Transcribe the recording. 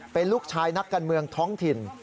เป็นลูกชายนักการเมืองท้องถิ่น